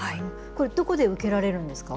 これ、どこで受けられるんですか？